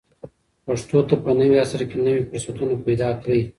پښتو ته په نوي عصر کې نوي فرصتونه پیدا کړئ.